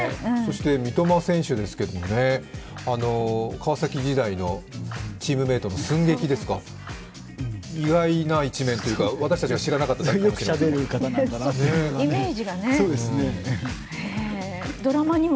三笘選手ですけれども川崎時代のチームメートの寸劇ですか、意外な一面というか私たちが知らなかっただけかもしれないですけれども。